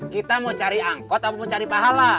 kita mau cari angkot atau mau cari pahala